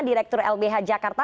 direktur lbh jakarta